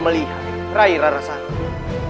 melihat rai rarasanta